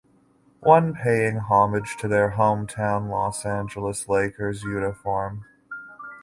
One paying homage their hometown Los Angeles Lakers uniform.